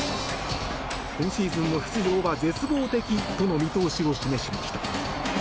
今シーズンの出場は絶望的との見方を示しました。